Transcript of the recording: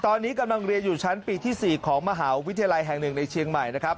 ตอนนี้กำลังเรียนอยู่ชั้นปีที่๔ของมหาวิทยาลัยแห่งหนึ่งในเชียงใหม่นะครับ